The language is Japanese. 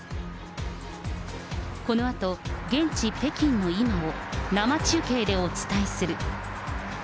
このあと、現地、北京の今を、生中継でお伝えする。